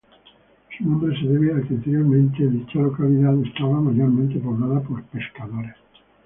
Su nombre se debe a que anteriormente dicha localidad estaba mayormente poblada por pescadores.